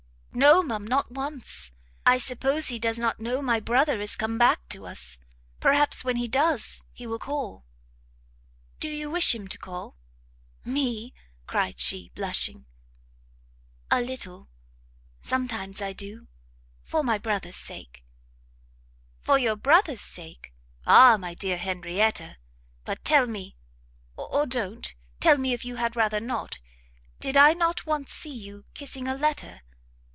"No, ma'am, not once! I suppose he does not know my brother is come back to us. Perhaps when he does, he will call." "Do you wish him to call?" "Me?" cried she, blushing, "a little; sometimes I do; for my brother's sake." "For your brother's sake! Ah my dear Henrietta! but tell me, or don't tell me if you had rather not, did I not once see you kissing a letter?